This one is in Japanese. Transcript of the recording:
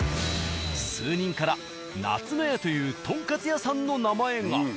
数人から「夏の家」というとんかつ屋さんの名前が。